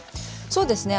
そうですね。